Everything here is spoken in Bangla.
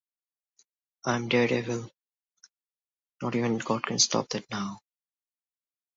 তিনি দামেস্কের একটি বিশ্ববিদ্যালয়ে চিকিৎসাবিজ্ঞান বিষয়ে অধ্যয়ন করেছেন।